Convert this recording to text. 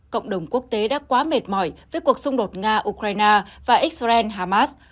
cộng đồng quốc tế đã quá mệt mỏi với cuộc xung đột nga ukraine và israel hamas